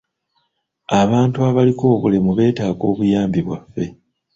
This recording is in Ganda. Abantu abaliko obulemu beetaaga obuyambi bwaffe.